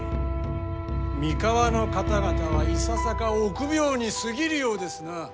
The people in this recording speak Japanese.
三河の方々はいささか臆病に過ぎるようですなあ。